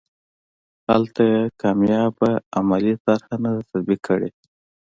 هلته یې کامیابه عملي طرحه نه ده تطبیق کړې.